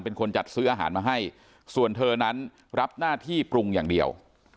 เป็นคนจัดซื้ออาหารมาให้ส่วนเธอนั้นรับหน้าที่ปรุงอย่างเดียว